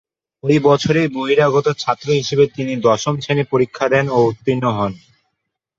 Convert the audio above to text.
ঐ বছরেই বহিরাগত ছাত্র হিসেবে তিনি দশম শ্রেনী পরীক্ষা দেন ও উত্তীর্ণ হন।